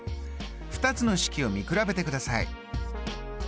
２つの式を見比べてください。